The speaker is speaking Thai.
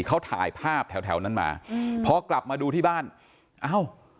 เขาถ่ายภาพแถวแถวนั้นมาอืมพอกลับมาดูที่บ้านเอ้า